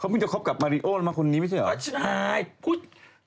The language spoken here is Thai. เขาเพิ่งจะครบกับมาริโอนะฮะคนนี้ไม่ใช่เหรอ